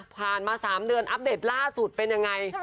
ผ่านมา๓เดือนอัปเดตล่าสุดเป็นยังไง